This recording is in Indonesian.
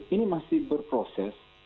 ini masih berproses